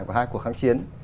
của hai cuộc kháng chiến